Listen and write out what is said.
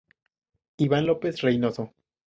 Iván López Reynoso.